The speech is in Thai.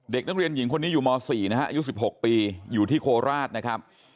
เด็กนักเรียนหญิงคนนี้อยู่ม๔นะฮะอายุ๑๖ปีอยู่ที่โคราชนะครับ